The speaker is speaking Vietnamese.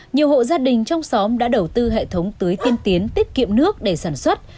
nhiều hộ gia đình trong xóm đã đầu tư hệ thống tưới tiên tiến tiết kiệm nước để sản xuất